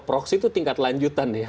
proksi itu tingkat lanjutan ya